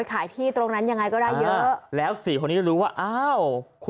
ขายที่ตรงนั้นยังไงก็ได้เยอะแล้วสี่คนนี้จะรู้ว่าอ้าวคุณ